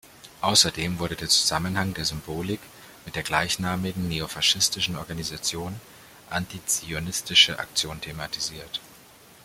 Außerdem wurde der Zusammenhang der Symbolik mit der gleichnamigen neofaschistischen Organisation Antizionistische Aktion thematisiert.